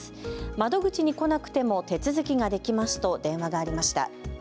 窓口に来なくても手続きができますと電話がありました。